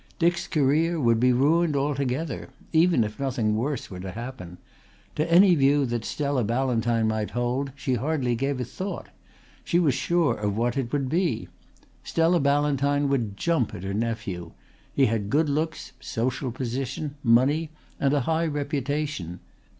Dick's career would be ruined altogether even if nothing worse were to happen. To any view that Stella Ballantyne might hold she hardly gave a thought. She was sure of what it would be. Stella Ballantyne would jump at her nephew. He had good looks, social position, money and a high reputation.